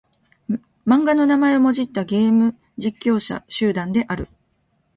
漫画の名前をもじったゲーム実況者集団である。